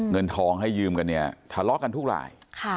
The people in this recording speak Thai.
เงินทองให้ยืมกันเนี่ยทะเลาะกันทุกราย